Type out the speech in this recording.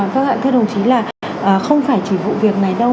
vâng ạ thưa đồng chí là không phải chỉ vụ việc này đâu